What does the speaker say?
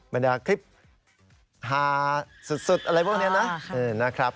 มีแต่ว่าคลิปฮาสุดอะไรพวกเดี๋ยวนะ